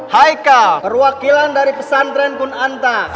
haikal perwakilan dari pesantren kunanta